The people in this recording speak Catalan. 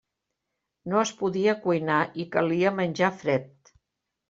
No es podia cuinar i calia menjar fred.